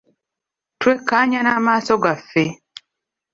Twekkaanya n'amaaso gaffe.